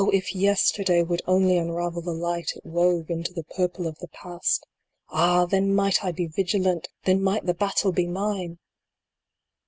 if yesterday would only unravel the light it wove into the purple of the Past ! Ah ! then might I be vigilant ! Then might the battle be mine